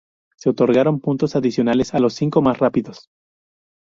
Se otorgaron puntos adicionales a los cinco más rápidos.